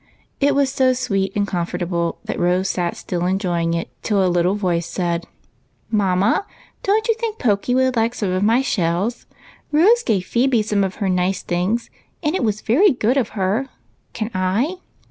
It was so sweet and comfortable that Rose sat still enjoying it till a little voice said, — "Mamma, don't you think Pokey would like some of my shells? Rose gave Phebe some of her nice things, and it was very good of her. Can I?"